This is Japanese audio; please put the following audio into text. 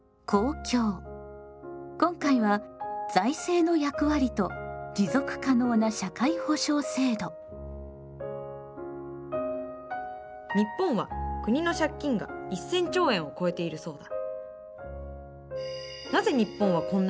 今回は「財政の役割と持続可能な社会保障制度」。日本は国の借金が１，０００兆円を超えているそうだ。